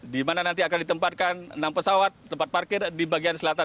di mana nanti akan ditempatkan enam pesawat tempat parkir di bagian selatan